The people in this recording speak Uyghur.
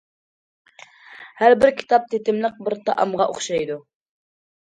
ھەر بىر كىتاب تېتىملىق بىر تائامغا ئوخشايدۇ.